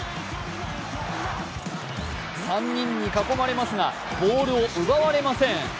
３人に囲まれますがボールを奪われません。